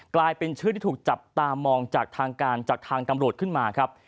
กลายเป็นชื่อที่ถูกจับตามองจากทางการจากทางตำรวจขึ้นมาครับ